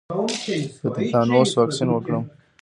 د تیتانوس واکسین وکړم؟